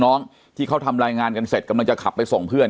น้องที่เขาทำรายงานกันเสร็จกำลังจะขับไปส่งเพื่อน